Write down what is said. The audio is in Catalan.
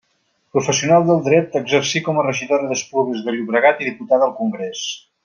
Professional del Dret, exercí com a regidora d'Esplugues de Llobregat i diputada al Congrés.